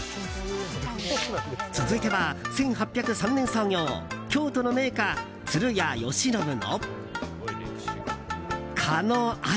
続いては、１８０３年創業京都の銘菓・鶴屋吉信の果の彩。